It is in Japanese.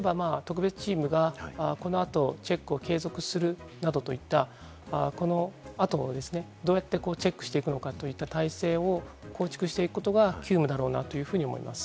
例えば特別チームがこのあとチェックを継続するなどといった、この後もですね、どうやってチェックしていくのかといった体制を構築していくことが急務だろうなというふうに思います。